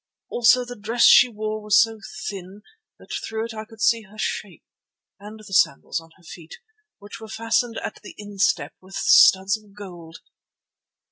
Also the dress she wore was so thin that through it I could see her shape and the sandals on her feet, which were fastened at the instep with studs of gold."